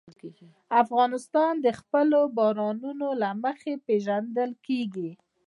افغانستان د خپلو بارانونو له مخې پېژندل کېږي.